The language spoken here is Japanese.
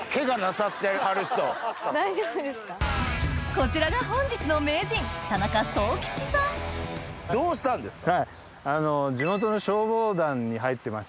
こちらが本日のどうしたんですか？